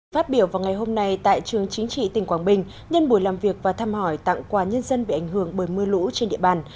phát biểu vào ngày hôm nay tại trường chính trị tỉnh quảng bình nhân buổi làm việc và thăm hỏi tặng quà nhân dân bị ảnh hưởng bởi mưa lũ trên địa bàn